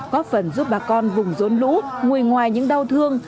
có phần giúp bà con vùng rôn lũ ngùi ngoài những đau thương